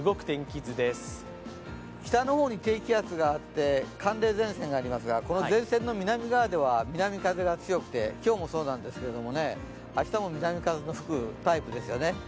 北の方に低気圧があって寒冷前線がありますが、この前線の南側では南風が強くて、今日もそうなんですけれども、明日も南風の吹くタイプですよね。